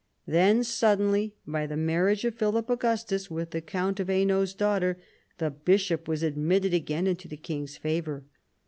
Then suddenly, by the marriage of Philip Augustus with the count of Hainault's daughter, the bishop was admitted again into the king's favour.